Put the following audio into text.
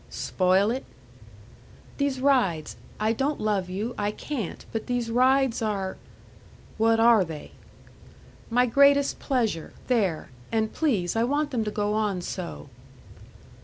"Spoil it?" "These rides I don't love you I can't but these rides are " "What are they?" "My greatest pleasure. There! And, please, I want them to go on so."